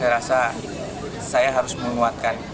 jadi ya saya rasa saya harus menguatkan